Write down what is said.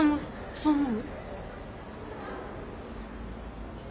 そう思う？